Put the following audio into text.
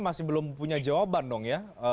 masih belum punya jawaban dong ya